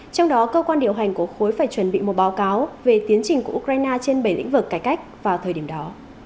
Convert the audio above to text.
trong đó cơ quan điều hành của khối phải chuẩn bị một báo cáo về tiến trình của ukraine trên bảy lĩnh vực cải cách vào thời điểm đó